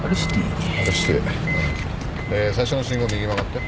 で最初の信号右曲がって。